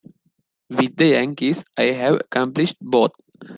With the Yankees I have accomplished both.